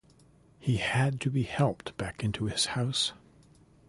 He had to be helped back into his house.